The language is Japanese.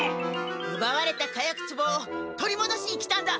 うばわれた火薬つぼを取りもどしに来たんだ。